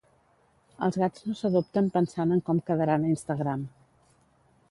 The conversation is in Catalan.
Els gats no s'adopten pensant en com quedaran a Instagram.